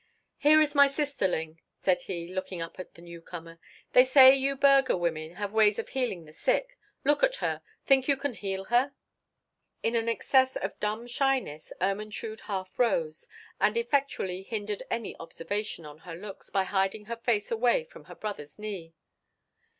"Here is my sisterling," said he, looking up to the newcomer. "They say you burgher women have ways of healing the sick. Look at her. Think you you can heal her?" In an excess of dumb shyness Ermentrude half rose, and effectually hindered any observations on her looks by hiding her face away upon her brother's knee.